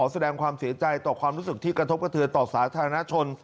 แสดงความเสียใจต่อความรู้สึกที่กระทบกระเทือนต่อสาธารณชน